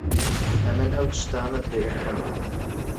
ئەمن ئەو تشتانەت لێ ئەکڕم.